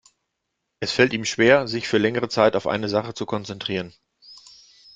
Es fällt ihm schwer, sich für längere Zeit auf eine Sache zu konzentrieren.